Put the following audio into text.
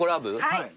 はい。